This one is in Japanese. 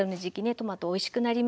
トマトおいしくなりますので。